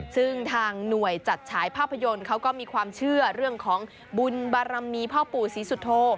ซึ่งทางหน่วยจัดฉายภาพยนตร์เขาก็มีความเชื่อเรื่องของบุญบารมีพ่อปู่ศรีสุโธ